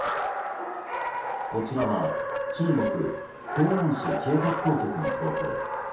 こちらは中国・西安市警察当局の投稿。